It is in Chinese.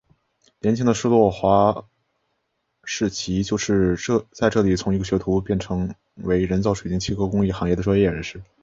年轻的施华洛世奇就是在这里从一个学徒成为人造水晶切割工艺行业的专业人士。